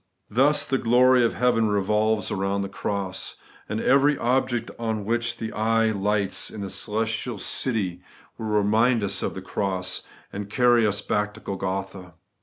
Thus the glory of heaven revolves round the cross ; and every object on which the eye lights in the celestial city will remind us of the cross, and carry us back to Golgotha.